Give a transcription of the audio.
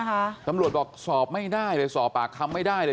ปรับทราบทุกอย่างทำรวจบอกสอบไม่ได้เลยสอบปากคำไม่ได้เลย